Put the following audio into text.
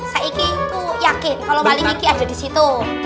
saya itu yakin kalo maling itu ada disitu